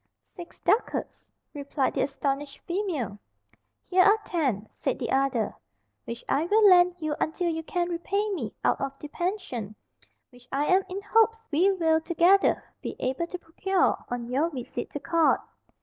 "Six ducats," replied the astonished female. "Here are ten," said the other, "which I will lend you until you can repay me out of the pension, which I am in hopes we will, together, be able to procure on your visit to court."